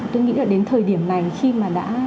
tôi nghĩ là đến thời điểm này khi mà đã